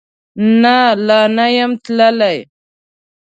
نه، لا نه یم تللی